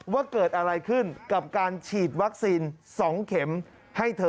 ว่าเกิดอะไรขึ้นกับการฉีดวัคซีน๒เข็มให้เธอ